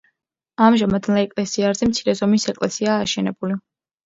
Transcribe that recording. ამჟამად ნაეკლესიარზე მცირე ზომის ეკლესიაა აშენებული.